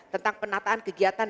tentang penataan kegiatan